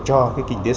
cho cái kinh tế số